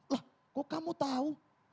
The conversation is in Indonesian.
lah kok kamu tau